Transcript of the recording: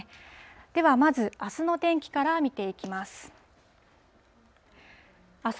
ではまず、あすの天気から見ていきます。